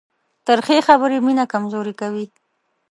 تریخې خبرې مینه کمزورې کوي.